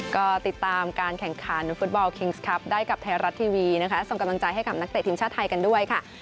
ก็ติดตามการแข่งขันฟุตบอลคิงส์ครับได้กับไทยรัฐทีวีนะคะส่งกำลังใจให้กับนักเตะทีมชาติไทยกันด้วยค่ะ